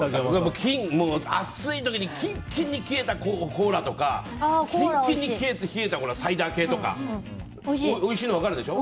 暑い時にキンキンに冷えたコーラとかキンキンに冷えたサイダー系とかおいしいの分かるでしょ。